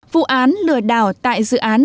vụ án lừa đảo tại dự án